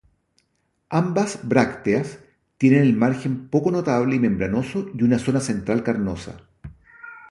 Ambas brácteas tienen el margen poco notable y membranoso y una zona central carnosa.